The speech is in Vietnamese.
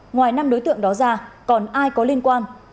ngoài năm đối tượng đó ra còn ai có liên quan